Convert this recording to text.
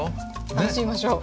楽しみましょう。